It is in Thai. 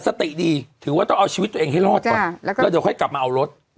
สติดีถือว่าต้องเอาชีวิตตัวเองให้รอดก่อนแล้วเดี๋ยวค่อยกลับมาเอารถ